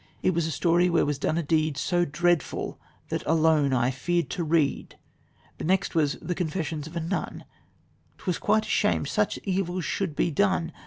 ' It was a story where was done a deed So dreadful that alone I feared to read. The next was 'The Confessions of a Nun' 'Twas quite a shame such evils should be done.